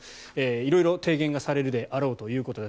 色々と提言がされるであろうということです。